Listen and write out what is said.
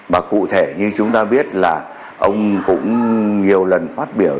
và cụ thể như chúng ta biết là ông cũng nhiều lần phát biểu